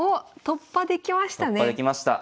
突破できました。